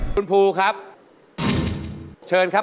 คุณผู้ครับ